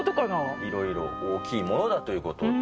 いろいろ大きいものだということで。